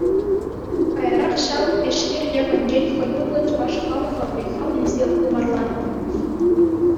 Каярах ҫав эшкер йӑхӗнчен хӑюллӑ чӑваш халӑхӗ вӑй-хал илсе тымарланнӑ.